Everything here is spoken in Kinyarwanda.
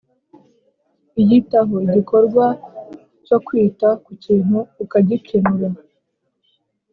iyitaho: igikorwa cyo kwita ku kintu, ukagikenura.